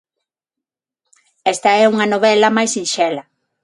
Esta é unha novela máis sinxela.